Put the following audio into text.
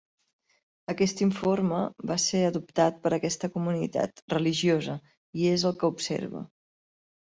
Aquest informe va ser adoptat per aquesta comunitat religiosa i és el que observa.